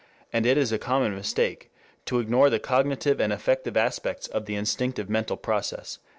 and it is a common mistake to ignore the cognitive and affective aspects of the instinctive mental process."